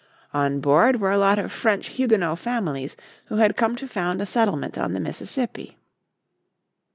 On board were a lot of French Huguenot families who had come to found a settlement on the Mississippi.